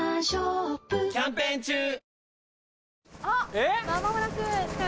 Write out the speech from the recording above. えっ？